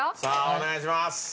お願いします！